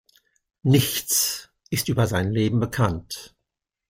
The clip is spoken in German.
Nichts ist über sein Leben bekannt.